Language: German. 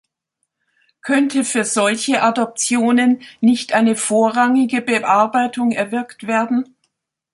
Könnte für solche Adoptionen nicht eine vorrangige Bearbeitung erwirkt werden?